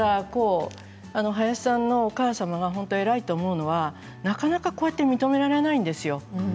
林さんのお母様が本当に偉いと思うのはなかなかこうやって認められないんですよ。